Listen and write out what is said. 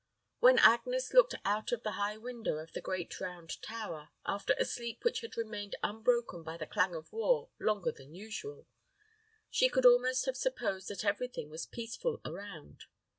When Agnes looked out of the high window of the great round tower, after a sleep which had remained unbroken by the clang of war longer than usual, she could almost have supposed that every thing was peaceful around.